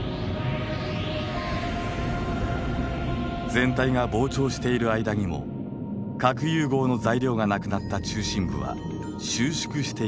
全体が膨張している間にも核融合の材料がなくなった中心部は収縮していきます。